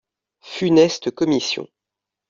Funeste commission